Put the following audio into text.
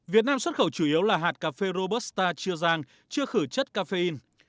việt nam xuất khẩu chủ yếu là hạt cà phê robusta chưa rang chưa khử chất caffeine